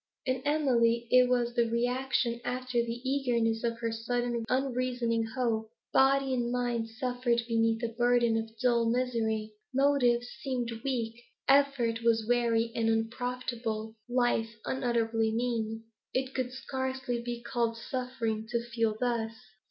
In Emily it was reaction after the eagerness of her sudden unreasoning hope. Body and mind suffered beneath a burden of dull misery. Motives seemed weak; effort was weary and unprofitable; life unutterably mean. It could scarcely be called suffering, to feel thus.